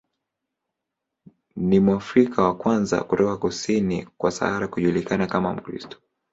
Ni Mwafrika wa kwanza kutoka kusini kwa Sahara kujulikana kama Mkristo.